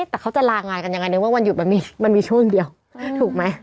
แต่เขาจะลางานกันอย่างไรนึกว่าวันหยุดมันมีช่วงเดียวถูกไหม